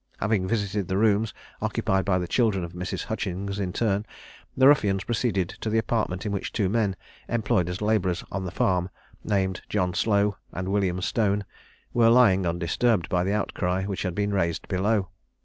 Having visited the rooms occupied by the children of Mrs. Hutchings in turn, the ruffians proceeded to the apartment in which two men, employed as labourers on the farm, named John Slow and William Stone, were lying undisturbed by the outcry which had been raised below.